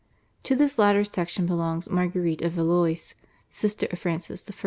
To this latter section belongs Marguerite of Valois, sister of Francis I.